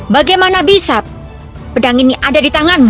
bagaimana bisa pedang ini ada di tanganmu